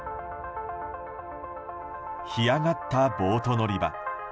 干上がったボート乗り場。